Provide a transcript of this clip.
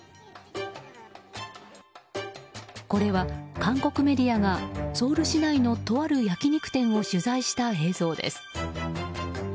これは、韓国メディアがソウル市内のとある焼き肉店を取材した映像です。